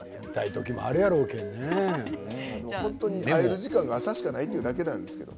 会える時間が、朝しかないというだけなんですよ。